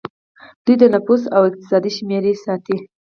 دوی د نفوس او اقتصاد شمیرې ساتي.